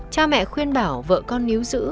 cha mẹ khuyên bảo vợ con níu giữ